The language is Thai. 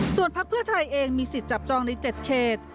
ส่วนพักเพื่อไทยเองมีสิทธิ์จับจองใน๗เขต